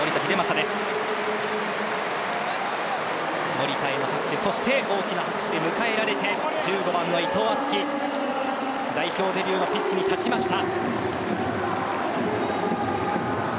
守田への拍手そして大きな拍手で迎えられて１５番の伊藤敦樹代表デビューのピッチに立ちました。